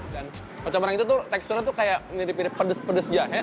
dan kecombrang itu tuh teksturnya tuh kayak mirip mirip pedes pedes jahe